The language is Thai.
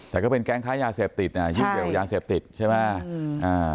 แต่ก็เป็นแก๊งค้ายาเสพติดยุ่งเร็วยาเสพติดใช่ไหม